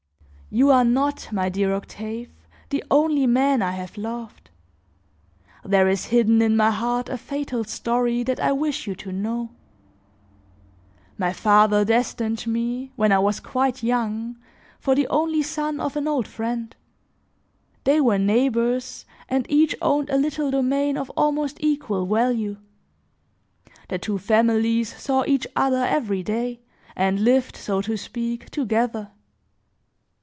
"You are not, my dear Octave, the only man I have loved. There is hidden in my heart a fatal story that I wish you to know. My father destined me, when I was quite young, for the only son of an old friend. They were neighbors and each owned a little domain of almost equal value. The two families saw each other every day and lived, so to speak, together.